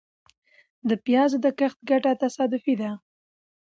د پيازو د کښت ګټه تصادفي ده .